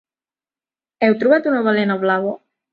Heu trobat una balena blava?